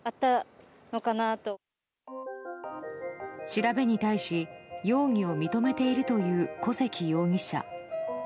調べに対し容疑を認めているという小関容疑者。